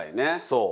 そう。